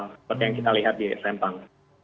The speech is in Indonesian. seperti yang kita lihat di rempang